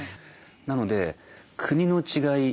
なので国の違い